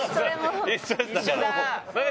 一緒です、だから。